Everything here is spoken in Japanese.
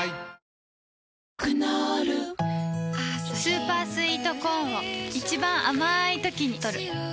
クノールスーパースイートコーンを一番あまいときにとる